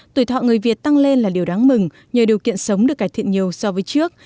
tuổi thọ người việt tăng lên là điều đáng mừng nhờ điều kiện sống được cải thiện nhiều so với trước